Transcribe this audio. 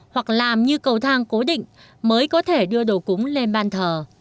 hoặc làm như cầu thang cố định mới có thể đưa đồ cúng lên ban thờ